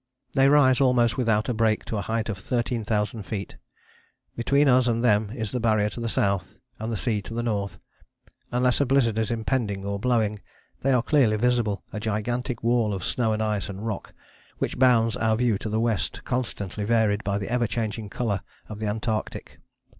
They rise almost without a break to a height of thirteen thousand feet. Between us and them is the Barrier to the south, and the sea to the north. Unless a blizzard is impending or blowing, they are clearly visible, a gigantic wall of snow and ice and rock, which bounds our view to the west, constantly varied by the ever changing colour of the Antarctic.